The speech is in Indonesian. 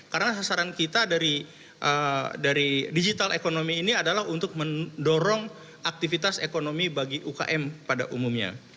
karena sasaran kita dari digital economy ini adalah untuk mendorong aktivitas ekonomi bagi ukm pada umumnya